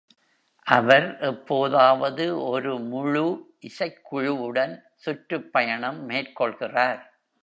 அவர் எப்போதாவது ஒரு முழு இசைக்குழுவுடன் சுற்றுப்பயணம் மேற்கொள்கிறார்.